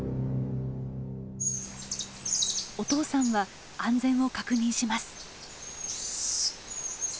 お父さんは安全を確認します。